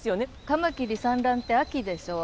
カマキリ産卵って秋でしょ？